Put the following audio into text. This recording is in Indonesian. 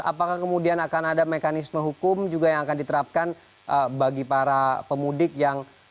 apakah kemudian akan ada mekanisme hukum juga yang akan diterapkan bagi para pemudik yang